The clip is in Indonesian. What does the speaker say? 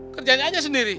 kerjaannya aja sendiri